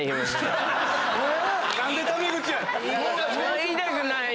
言いたくない。